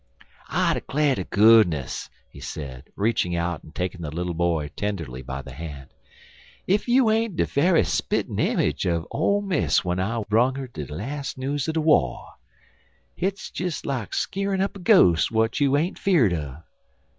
"I 'clar' to goodness," he said, reaching out and taking the little boy tenderly by the hand, "ef you ain't de ve'y spit en image er ole Miss w'en I brung 'er de las' news er de war. Hit's des like skeerin' up a ghos' w'at you ain't fear'd un."